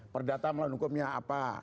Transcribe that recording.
perdata melawan hukumnya apa